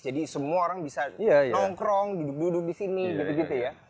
jadi semua orang bisa nongkrong duduk duduk di sini gitu gitu ya